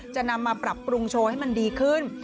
จะนำมาปรับปรุงโชว์ให้มันดีขึ้น